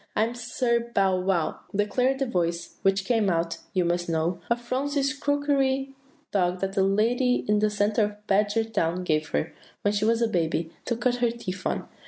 "'I am Sir Bow wow,' declared the voice, which came out, you must know, of Phronsie's crockery dog that a lady in the centre of Badgertown gave her, when she was a baby, to cut her teeth on.